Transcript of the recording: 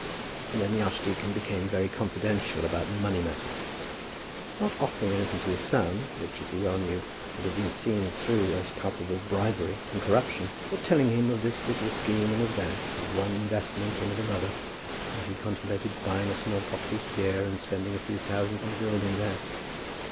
And then the archdeacon became very confidential about money matters, not offering anything to his son, which, as he well knew, would have been seen through as palpable bribery and corruption, but telling him of this little scheme and of that, of one investment and of another; how he contemplated buying a small property here, and spending a few thousands on building there.